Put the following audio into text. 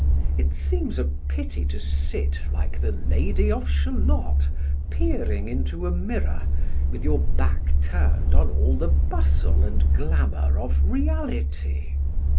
It seems a pity to sit, like the Lady of Shalott, peering into a mirror, with your back turned on all the bustle and glamour of reality.